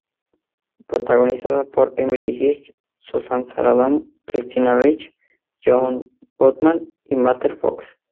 Protagonizada por Emile Hirsch, Susan Sarandon, Christina Ricci, John Goodman y Matthew Fox.